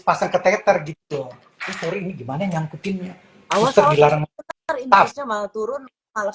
langsung ke teter gitu sorry ini gimana nyangkutinnya awas tergila rempah turun alas